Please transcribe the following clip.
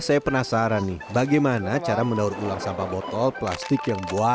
saya penasaran nih bagaimana cara mendaur ulang sampah botol plastik yang buat